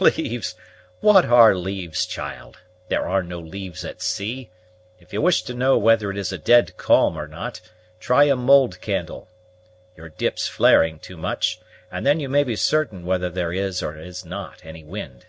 "Leaves! what are leaves, child? there are no leaves at sea. If you wish to know whether it is a dead calm or not, try a mould candle, your dips flaring too much, and then you may be certain whether there is or is not any wind.